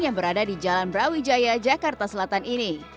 yang berada di jalan brawijaya jakarta selatan ini